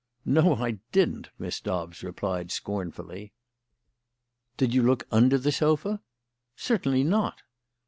"No, I didn't!" Miss Dobbs replied scornfully. "Did you look under the sofa?" "Certainly not!"